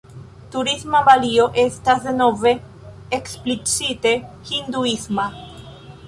La turisma Balio estas denove eksplicite hinduisma.